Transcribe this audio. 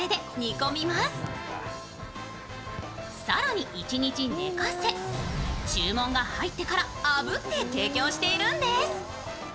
更に１日寝かせ、注文が入ってからあぶって提供しているんです。